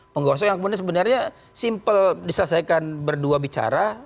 penggosok yang sebenarnya simpel diselesaikan berdua bicara